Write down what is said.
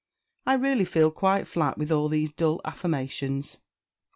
I really feel quite flat with all these dull affirmations."